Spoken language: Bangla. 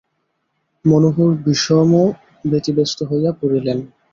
মনোহর বিষম ব্যতিব্যস্ত হইয়া পড়িলেন।